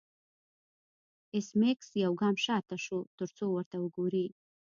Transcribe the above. ایس میکس یو ګام شاته شو ترڅو ورته وګوري